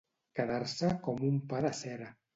Quedar-se com un pa de cera.